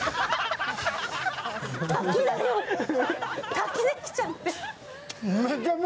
滝できちゃってる。